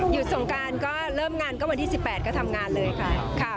สงการก็เริ่มงานก็วันที่๑๘ก็ทำงานเลยค่ะ